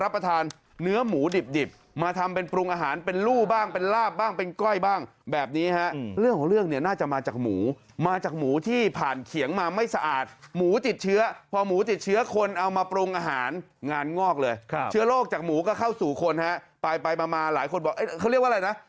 ไปมามาหลายคนบอกเขาเรียกว่าอะไรนะ